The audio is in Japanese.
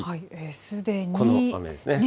すでにこの雨ですね。